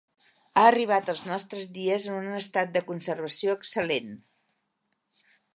Ha arribat als nostres dies en un estat de conservació excel·lent.